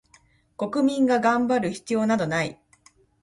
国民が頑張る必要などない